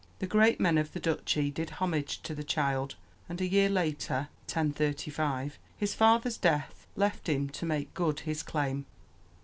The great men of the duchy did homage to the child, and a year later (1035) his father's death left him to make good his claim.